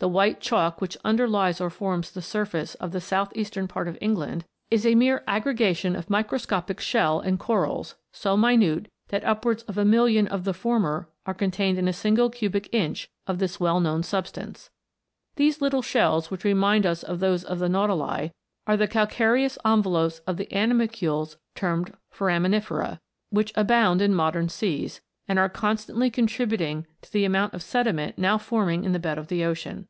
The white chalk which underlies or forms the surface of the south eastern part of England, is a mere aggregation of microscopic shell and corals, so minute that upwards of a million of the former are contained in a single cubic inch of this well * Dr. Mantell. Q 226 THE INVISIBLE WORLD. known substance. These little shells, which remind us of those of the nautili, are the calcareous enve lopes of the animalcules termed foraminifera, which abound in modern seas, and are constantly contri buting to the amount of sediment now forming in the bed of the ocean.